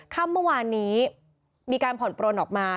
ข้ามเมื่อวานนี้มีการผ่อนโปรดออกมา